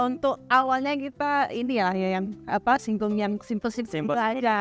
untuk awalnya kita ini ya yang apa simple simple aja